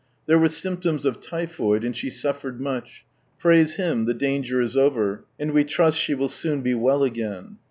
There were symptoms of typhoid, and she suffered much ; praise Him, the danger is over, and we trust she will soon be well again.